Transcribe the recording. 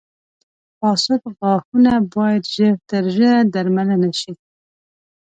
• فاسد غاښونه باید ژر تر ژره درملنه شي.